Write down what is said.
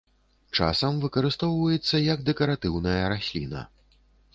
Часам выкарыстоўваецца як дэкаратыўная расліна.